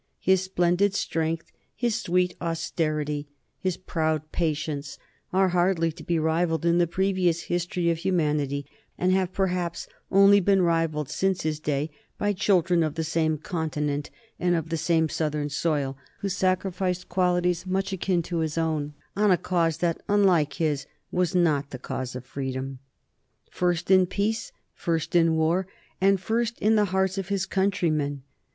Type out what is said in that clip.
His splendid strength, his sweet austerity, his proud patience are hardly to be rivalled in the previous history of humanity, and have perhaps only been rivalled since his day by children of the same continent and of the same southern soil, who sacrificed qualities much akin to his own on a cause that, unlike his, was not the cause of freedom. "First in peace, first in war, and first in the hearts of his country men."